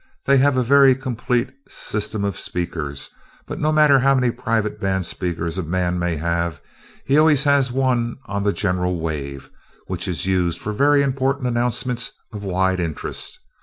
They have a very complete system of speakers, but no matter how many private band speakers a man may have, he always has one on the general wave, which is used for very important announcements of wide interest.